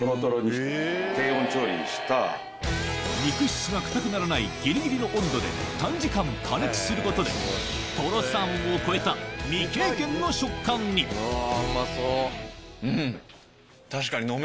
肉質が硬くならないギリギリの温度で短時間加熱することでトロサーモンを超えたうん！